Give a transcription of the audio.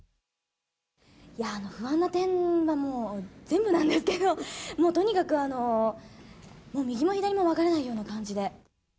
いやー、不安な点は、全部なんですけど、もうとにかく、右も左も分からないような感じで。